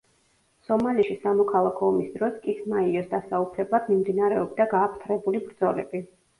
სომალიში სამოქალაქო ომის დროს კისმაიოს დასაუფლებლად მიმდინარეობდა გააფთრებული ბრძოლები.